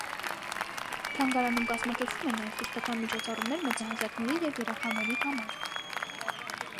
Թանգարանում կազմակերպվում են նաև կրթական միջոցառումներ մեծահասակների և երեխաների համար։